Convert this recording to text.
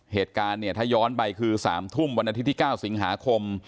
เหตุการณ์เนี่ยถ้าย้อนไปคือ๓ทุ่มวันอาทิตย์ที่๙สิงหาคม